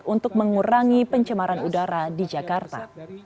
untuk mengurangi pencemaran udara di jakarta